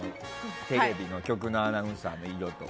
テレビ局のアナウンサーの色と。